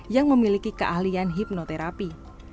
yang memiliki keahlian hipnoterapi